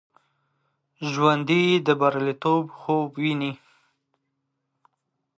ژوندي د بریالیتوب خوب ویني